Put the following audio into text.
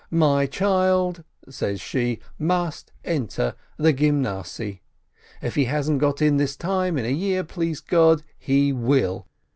My child," says she, "must enter the Gymnasiye. If he hasn't got in this time, in a year, please God, he will.